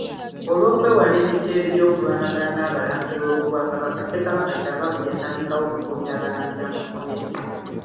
Olw’okwewala emiteeru gy’okulwanagana n’abalangira olw’obwakabaka Ssekabaka Kyabaggu yatandikawo okukuumira abalangira mu Kkomera.